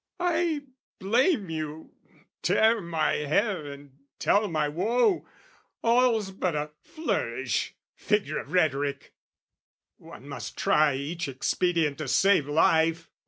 I blame you, tear my hair and tell my woe All's but a flourish, figure of rhetoric! One must try each expedient to save life.